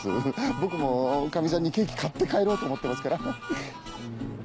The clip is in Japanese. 僕もかみさんにケーキを買って帰ろうと思ってますから。